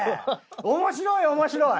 面白い面白い。